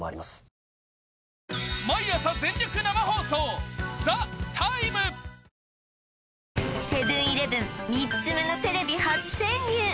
「果たして」セブン−イレブン３つ目のテレビ初潜入！